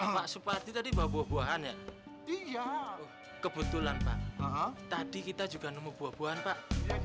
pak suparti tadi buah buahan ya iya kebetulan pak tadi kita juga nemu buah buahan pak